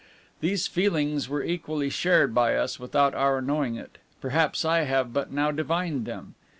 These feelings were equally shared by us without our knowing it; perhaps I have but now divined them.